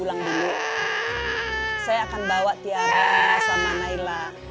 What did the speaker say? laper kayaknya harus lusuh deh